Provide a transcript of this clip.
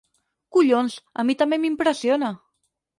Collons, a mi també m'impressiona!